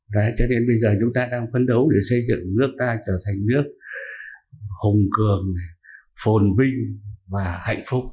đấy cho đến bây giờ chúng ta đang phấn đấu để xây dựng nước ta trở thành nước hùng cường phồn vinh và hạnh phúc